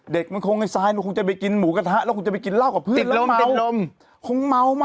แล้วก็หลังจากนั้นซายก็ติดตาม